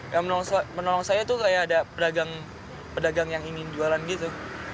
yang menolong saya tuh kayak ada pedagang yang ingin jualan gitu